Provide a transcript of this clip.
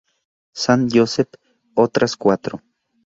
Sant Josep otras cuatro.